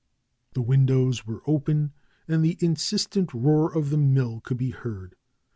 Tlie windows were open and the insistent roar of the mill could be heard.